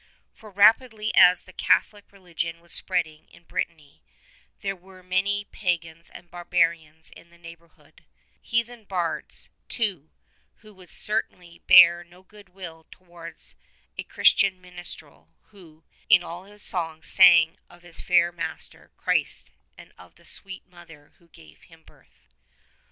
For rapidly as the Catholic religion was spreading in Brittany there were many pagans and barbarians in the neighborhood — heathen bards, too, who would certainly bear no good will towards a Christian min strel who in all his songs sang of his fair Master, Christ and of the sweet Mother who gave Him birth.